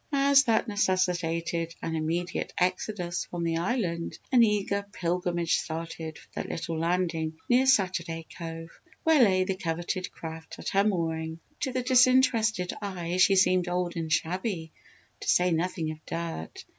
As that necessitated an immediate exodus from the island, an eager pilgrimage started for the little landing near Saturday Cove, where lay the coveted craft at her moorings. To the disinterested eye she seemed old and shabby, to say nothing of dirt.